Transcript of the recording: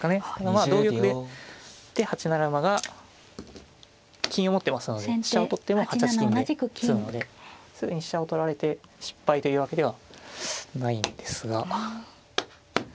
まあ同玉でで８七馬が金を持ってますので飛車を取っても８八金で詰むのですぐに飛車を取られて失敗というわけではないんですが。